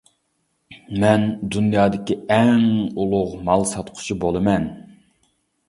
مەن دۇنيادىكى ئەڭ ئۇلۇغ مال ساتقۇچى بولىمەن.